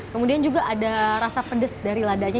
kemudian juga ada rasa pedas dari ladanya